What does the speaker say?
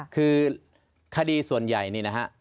คือคดีส่วนใหญ่นี่นะฮะ